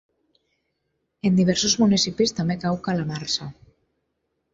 En diversos municipis també cau calamarsa.